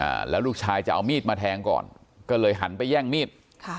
อ่าแล้วลูกชายจะเอามีดมาแทงก่อนก็เลยหันไปแย่งมีดค่ะ